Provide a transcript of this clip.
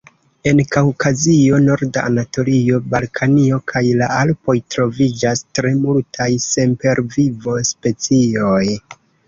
En Kaŭkazio, norda Anatolio, Balkanio kaj la Alpoj troviĝas tre multaj sempervivo-specioj.